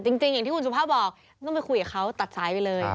อย่างที่คุณสุภาพบอกต้องไปคุยกับเขาตัดสายไปเลย